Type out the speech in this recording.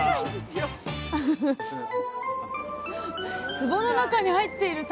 つぼの中に入っているタコも